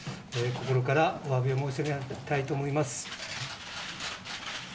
心からおわびを申し上げたいと思います。